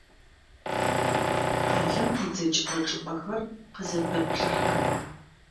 Къалэм къедзэкӏыгъэ чӏыпӏэхэр къызэпэтплъыхьан..